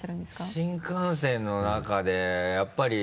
新幹線の中でやっぱり。